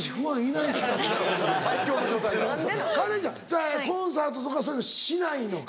カレンちゃんコンサートとかそういうのしないのか。